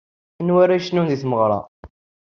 Anwa ara yecnun di tmeɣra?